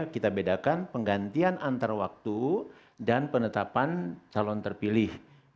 kita bedakan penggantian antar waktu dan penetapan calon terpilih